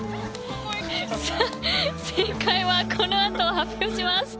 正解はこのあと発表します。